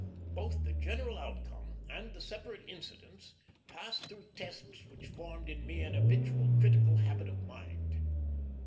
Both the general outcome and the separate incidents passed through tests which formed in me an habitual critical habit of mind.